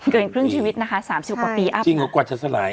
เกินครึ่งชีวิตนะคะ๓๐กว่าปีอัพจริงกว่าจะสลาย